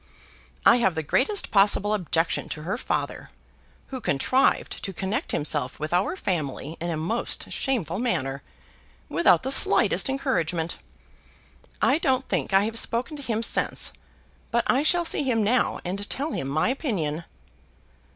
"I have the greatest possible objection to her father, who contrived to connect himself with our family in a most shameful manner, without the slightest encouragement. I don't think I have spoken to him since, but I shall see him now and tell him my opinion."